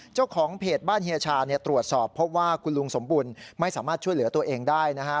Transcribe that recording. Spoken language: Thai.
เจ้าของเพจบ้านเฮียชาตรวจสอบพบว่าคุณลุงสมบุญไม่สามารถช่วยเหลือตัวเองได้นะฮะ